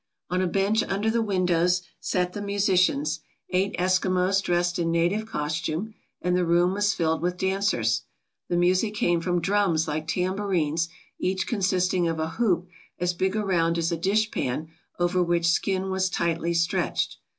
On a bench under the windows sat the musicians, eight Eskimos dressed in na tive costume, and the room was filled with dancers. The music came from drums like tambourines, each consisting of a hoop as big around as a dishpan over which skin was tightly stretched.